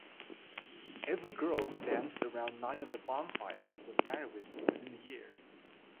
Every girl who danced around nine of the bonfires would marry within the year.